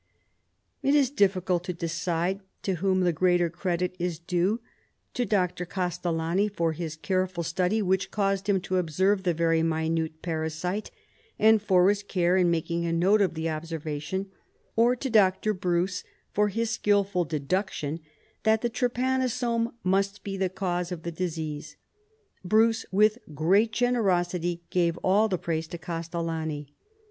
It is difficult to decide to whom the greater credit is due, to Dr. Castellani for his careful study which caused him to observe the very minute parasite, and for his care in making a note of the observation, or to Colonel Bruce for his skilful deduction that the trypanosome must be the cause of the disease. Bruce, with great generosity, gave all the praise to Castellani.